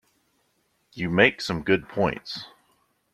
You make some good points.